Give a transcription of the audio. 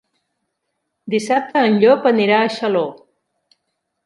Dissabte en Llop anirà a Xaló.